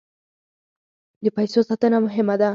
د پیسو ساتنه مهمه ده.